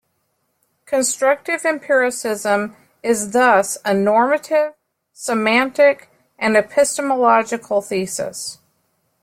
Constructive empiricism is thus a normative, semantic and epistemological thesis.